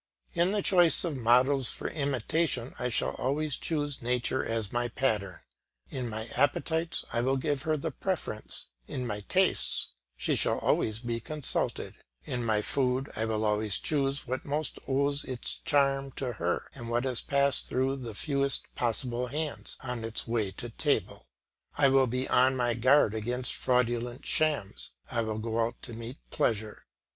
In the choice of models for imitation I shall always choose nature as my pattern; in my appetites I will give her the preference; in my tastes she shall always be consulted; in my food I will always choose what most owes its charm to her, and what has passed through the fewest possible hands on its way to table. I will be on my guard against fraudulent shams; I will go out to meet pleasure.